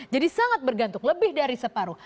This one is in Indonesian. jadi sangat bergantung lebih dari separuh